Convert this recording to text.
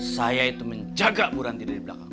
saya itu menjaga bu ranti dari belakang